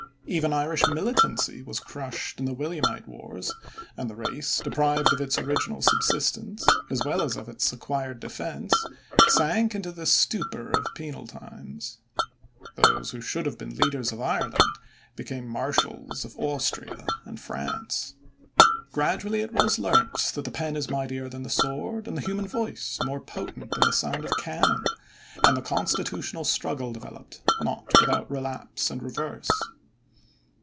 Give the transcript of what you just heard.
Even Irish militancy was crushed in the Williamite wars, and the race, deprived of its original subsistence as well as of its acquired defense, sank into the stupor of penal times. Those who should have been leaders of Ireland became marshals of Austria and France. Gradually it was learnt that the pen is mightier than the sword and the human voice more potent than the sound of cannon and the constitutional struggle developed, not without relapse and reverse.